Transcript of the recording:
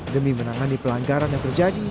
demi menangani pelanggaran yang terjadi